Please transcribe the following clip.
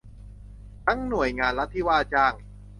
ทั้งหน่วยงานรัฐที่ว่าจ้าง